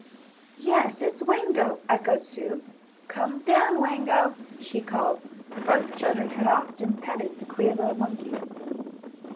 "Yes, it's Wango!" echoed Sue. "Come down, Wango!" she called, for both children had often petted the queer little monkey.